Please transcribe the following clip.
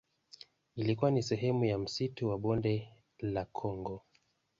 Ilikuwa ni sehemu ya msitu wa Bonde la Kongo.